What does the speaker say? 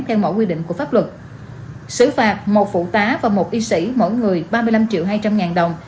theo mọi quy định của pháp luật xử phạt một phụ tá và một y sĩ mỗi người ba mươi năm triệu hai trăm linh ngàn đồng